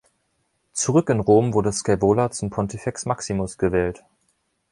Zurück in Rom wurde Scaevola zum Pontifex Maximus gewählt.